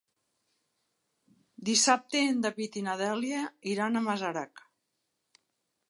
Dissabte en David i na Dèlia iran a Masarac.